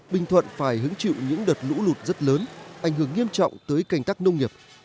bình thuận phải hứng chịu những đợt lũ lụt rất lớn ảnh hưởng nghiêm trọng tới cành tác nông nghiệp